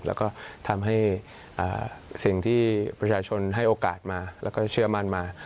แล้วก็ทำให้สิ่งที่ประชาชนให้โอกาสมาแล้วก็เชื่อมั่นมา